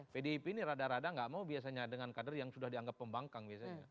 pdip ini rada rada nggak mau biasanya dengan kader yang sudah dianggap pembangkang biasanya